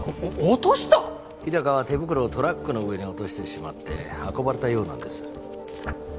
日高は手袋をトラックの上に落としてしまって運ばれたようなんです